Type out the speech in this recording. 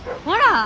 ほら。